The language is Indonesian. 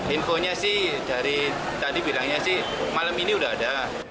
infonya sih dari tadi bilangnya sih malam ini udah ada